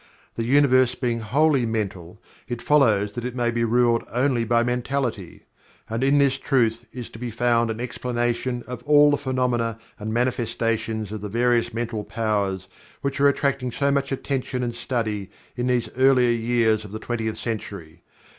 The Universe being wholly mental, it follows that it may be ruled only by Mentality. And in this truth is to be found an explanation of all the phenomena and manifestations of the various mental powers which are attracting so much attention and study in these earlier years of the Twentieth Century.